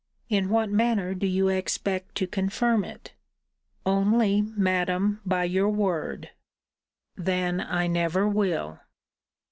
In what manner do you expect to confirm it? Only, Madam, by your word. Then I never will.